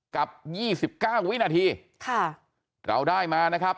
กับยี่สิบเก้าวินาทีค่ะเราได้มานะครับ